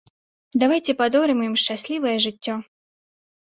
Давайце падорым ім шчаслівае жыццё!